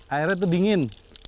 airnya tuh dingin